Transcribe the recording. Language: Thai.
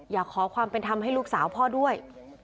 อยากขอความเป็นธรรมให้ลูกสาวพ่อด้วย